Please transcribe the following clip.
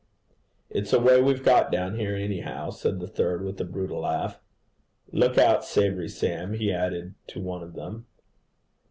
'It's a way we've got down here, anyhow,' said the third with a brutal laugh. 'Look out, Savoury Sam,' he added to one of them.